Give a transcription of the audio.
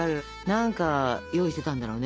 何か用意してたんだろうね